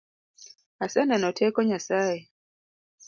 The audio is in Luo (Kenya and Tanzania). Aseneno teko Nyasaye.